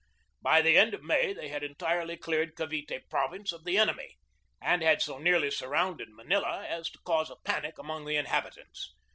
By the end of May they had entirely cleared Cavite Province of the enemy, and had so nearly surrounded Manila as to cause a panic among the inhabitants.